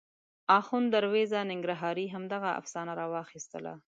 اخوند دروېزه ننګرهاري همدغه افسانه راواخیستله.